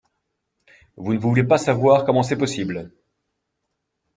Vous ne voulez pas savoir comment c’est possible.